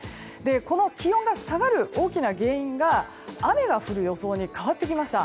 この気温が下がる大きな原因が雨が降る予想に変わってきました。